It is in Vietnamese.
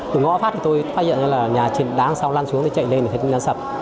từ ngõ phát thì tôi phát hiện ra là đá sau lăn xuống thì chạy lên thì thấy đá sập